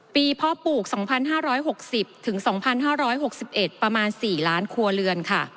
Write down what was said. พ่อปลูก๒๕๖๐ถึง๒๕๖๑ประมาณ๔ล้านครัวเรือนค่ะ